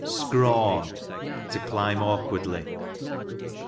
Scrawn, to climb aiokicardly